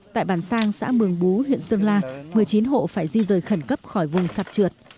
tại bản sang xã mường bú huyện sơn la một mươi chín hộ phải di rời khẩn cấp khỏi vùng sạp trượt